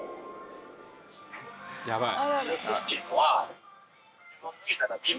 やばい。